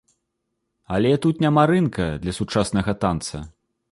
Але тут няма рынка для сучаснага танца.